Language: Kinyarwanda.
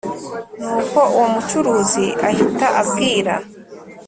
nuko uwo mucuruzi ahita abwira